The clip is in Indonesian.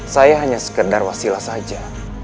saya hanya sekedar wasilah saja